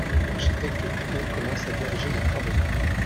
L'architecte Bigot commence à diriger les travaux.